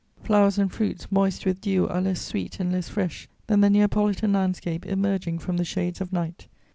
"Flowers and fruits moist with dew are less sweet and less fresh than the Neapolitan landscape emerging from the shades of night.